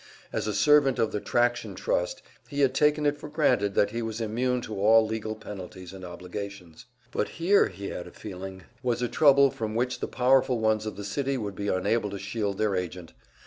As a servant of the Traction Trust, he had taken it for granted that he was immune to all legal penalties and obligations; but here, he had a feeling, was a trouble from which the powerful ones of the city would be unable to shield their agent.